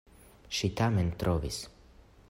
Ŝi tamen trovis!